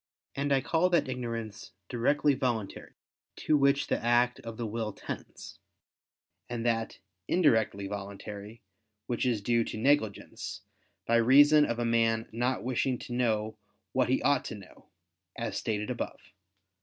And I call that ignorance "directly" voluntary, to which the act of the will tends: and that, "indirectly" voluntary, which is due to negligence, by reason of a man not wishing to know what he ought to know, as stated above (Q.